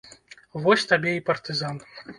Вось табе і партызан.